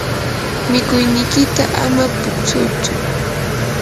mikuynikiyta ama puksuytsu.